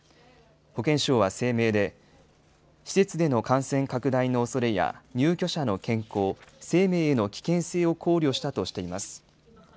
保健省は声明で、施設での感染拡大のおそれや入居者の健康、生命への危険性を考慮したとしています。